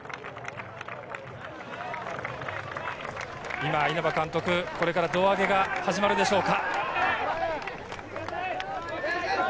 今、稲葉監督、これから胴上げが始まるでしょうか？